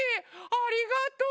ありがとう。